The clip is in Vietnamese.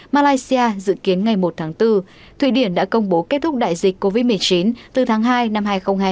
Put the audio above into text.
malaysia dự kiến ngày một tháng bốn thụy điển đã công bố kết thúc đại dịch covid một mươi chín từ tháng hai năm hai nghìn hai mươi